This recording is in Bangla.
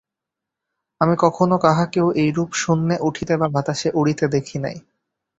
আমি কখনও কাহাকেও এইরূপ শূন্যে উঠিতে বা বাতাসে উড়িতে দেখি নাই।